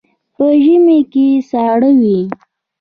په ژمي کې ساړه وي.